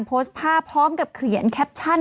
โพสต์ภาพพร้อมกับเขียนแคปชั่น